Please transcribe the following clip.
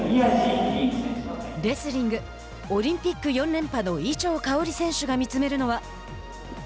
レスリング、オリンピック４連覇の伊調馨選手が見つめるのは。